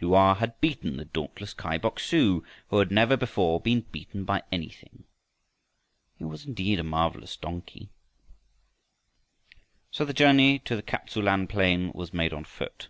Lu a had beaten the dauntless Kai Bok su who had never before been beaten by anything. He was indeed a marvelous donkey! So the journey to the Kap tsu lan plain was made on foot.